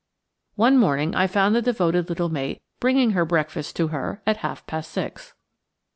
One morning I found the devoted little mate bringing her breakfast to her at half past six.